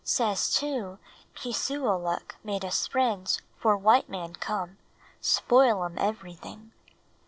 "Says too, Keesuolukh made us friends 'fore white man come, spoil um everything.